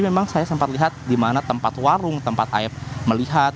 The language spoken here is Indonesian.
memang saya sempat lihat di mana tempat warung tempat aep melihat